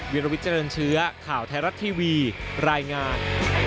วิลวิเจริญเชื้อข่าวไทยรัฐทีวีรายงาน